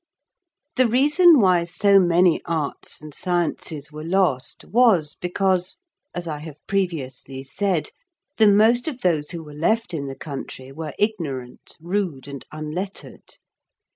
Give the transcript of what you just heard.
The reason why so many arts and sciences were lost was because, as I have previously said, the most of those who were left in the country were ignorant, rude, and unlettered.